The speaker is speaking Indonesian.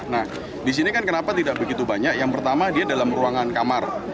nah di sini kan kenapa tidak begitu banyak yang pertama dia dalam ruangan kamar